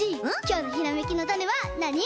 きょうのひらめきのタネはなに？